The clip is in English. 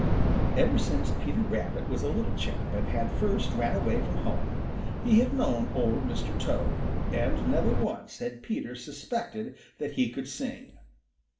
Ever since Peter Rabbit was a little chap and had first ran away from home, he had known Old Mr. Toad, and never once had Peter suspected that he could sing.